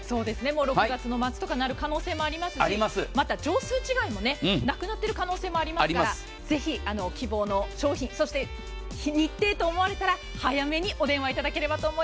６月の末になる可能性もありますしまた畳数違いもなくなっている可能性もありますからぜひ、希望の商品がありましたら早めにお電話してください。